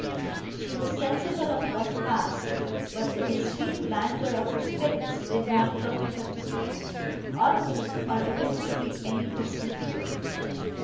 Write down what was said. She was sensible of what passed, but the extreme languor of her spirits did not permit her to speak, or move, or even to feel any distinct fear.